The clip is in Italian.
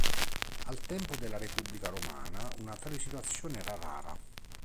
Al tempo della Repubblica romana una tale situazione era rara.